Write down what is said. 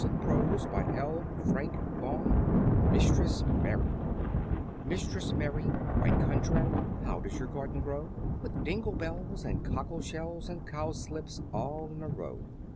[Illustration: Mistress Mary] Mistress Mary Mistress Mary, quite contrary, How does your garden grow? With dingle bells and cockle shells And cowslips, all in a row.